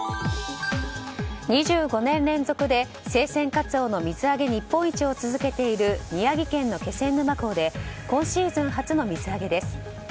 ２５年連続で生鮮カツオの水揚げ日本一を続けている宮城県の気仙沼港で今シーズン初の水揚げです。